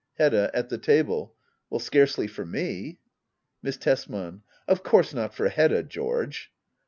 Hedda. [At the table.] Scarcely for me. Miss Tesman, Of course not for Hedda, George.